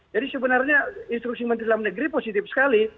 jadi sebenarnya instruksi menteri dalam negeri positif sekali